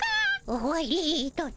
終わりとな。